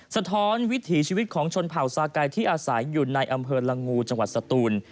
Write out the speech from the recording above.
สะท้อนวิถีชีวิตของชนเผ่าซาไก่ที่อาศัยอยู่ในอำเภอละงูจังหวัดสตูน